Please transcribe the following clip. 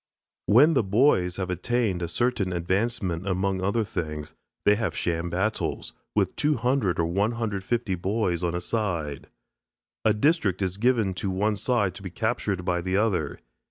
When the boys have attained a certain advancement among other things they have sham battles, with 200 or 150 boys on a side. A district is given to one side to be captured by the other.